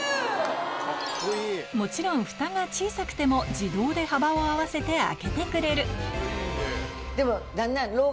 もちろんフタが小さくても自動で幅を合わせて開けてくれるでも。